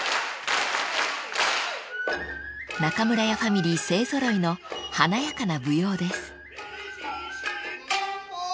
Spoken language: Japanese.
［中村屋ファミリー勢揃いの華やかな舞踊です］